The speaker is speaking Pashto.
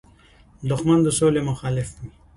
دښمن د سولې مخالف وي